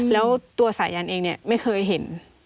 แล้วตัวสายันเองเนี่ยไม่เคยเห็น